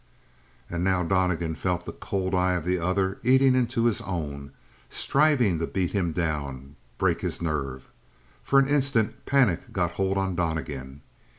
And now Donnegan felt the cold eye of the other eating into his own, striving to beat him down, break his nerve. For an instant panic got hold on Donnegan.